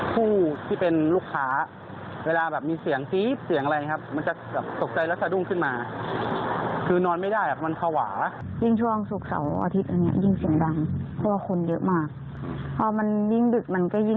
ขนาดปิดประตูมันก็ยังดังเข้ามาข้างใน